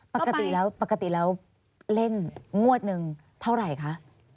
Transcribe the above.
ปกติแล้วปกติแล้วเล่นงวดหนึ่งเท่าไหร่คะ